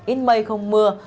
ít mây không mưa